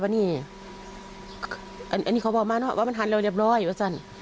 อันนี้เขาบอกมาเนอะว่ามันหันเร็วเรียบร้อยว่าสั้น